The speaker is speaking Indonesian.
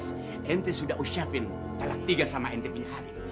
saya sudah menyiapkan tiga rumah tangga saya